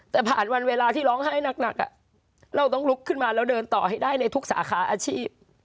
แต่ผ่านวันเวลาที่ร้องไห้หนักเราต้องลุกขึ้นมาแล้วเดินต่อให้ได้ในทุกสาขาอาชีพ